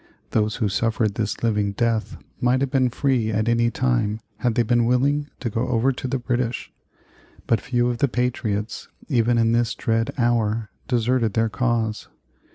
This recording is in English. Those who suffered this living death might have been free at any time had they been willing to go over to the British, but few of the patriots, even in this dread hour, deserted their cause.